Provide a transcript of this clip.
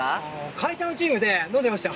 会社のチームで飲んでました。